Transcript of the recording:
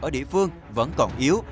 ở địa phương vẫn còn yếu